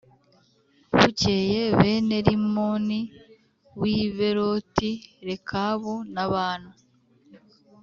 Bukeye bene Rimoni w’i Bēroti, Rekabu na Bāna